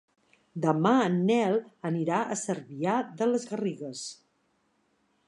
Demà en Nel anirà a Cervià de les Garrigues.